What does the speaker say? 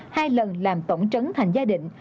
hai lần làm tổng trấn thành gia đình